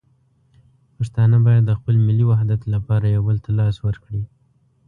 پښتانه باید د خپل ملي وحدت لپاره یو بل ته لاس ورکړي.